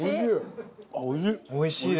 おいしい？